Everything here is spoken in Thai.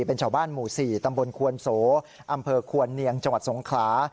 เป็นชาวบ้านหมู่๔ตำบลควนโสอำเภอควรเนียงจังหวัดสงขลา